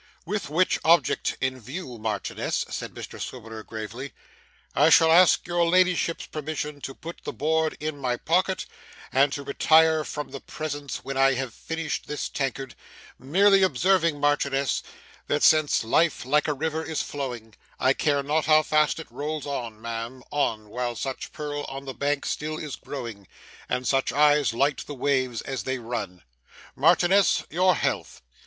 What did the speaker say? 'With which object in view, Marchioness,' said Mr Swiveller gravely, 'I shall ask your ladyship's permission to put the board in my pocket, and to retire from the presence when I have finished this tankard; merely observing, Marchioness, that since life like a river is flowing, I care not how fast it rolls on, ma'am, on, while such purl on the bank still is growing, and such eyes light the waves as they run. Marchioness, your health.